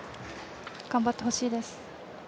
頑張ってほしいです。